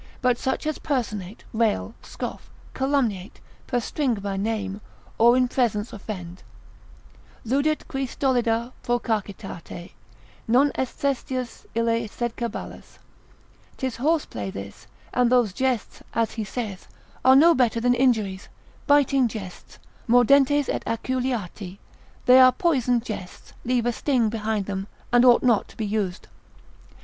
but such as personate, rail, scoff, calumniate, perstringe by name, or in presence offend; Ludit qui stolida procacitate Non est Sestius ille sed caballus: 'Tis horse play this, and those jests (as he saith) are no better than injuries, biting jests, mordentes et aculeati, they are poisoned jests, leave a sting behind them, and ought not to be used.